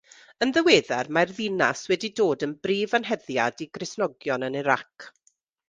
Yn ddiweddar, mae'r ddinas wedi dod yn brif anheddiad i Gristnogion yn Iraq.